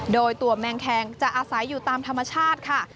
โดยตัวแมงแคงจะอาศัยอยู่ตามธรรมชาติค่ะ